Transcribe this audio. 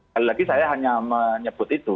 sekali lagi saya hanya menyebut itu